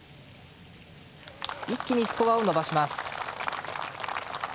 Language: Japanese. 一気にスコアを伸ばします。